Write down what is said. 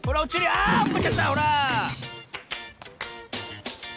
あおっこっちゃったほら！